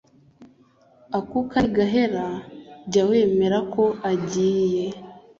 akuka nigahera, jya wemera ko agiye.